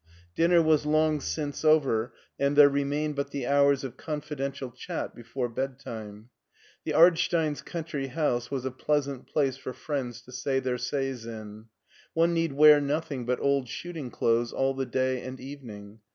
Dinner was long since over, and there remained but the hours of confidential chat before bed time. The Ard steins' country house was a pleasant place for friends to say their says in. One need wear nothing but old shooting clothes all the day and evening.